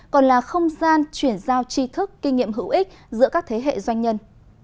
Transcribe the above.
còn là không gian chuyển giao tri thức kinh nghiệm hữu ích giữa các thế hệ doanh nhân